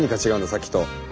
さっきと。